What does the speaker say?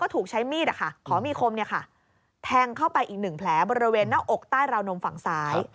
ถูกใช้มีดขอมีคมแทงเข้าไปอีก๑แผลบริเวณหน้าอกใต้ราวนมฝั่งซ้าย